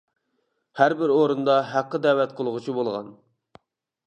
ھەربىر ئورۇندا ھەققە دەۋەت قىلغۇچى بولغان.